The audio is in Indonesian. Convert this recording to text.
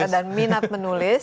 dan minat menulis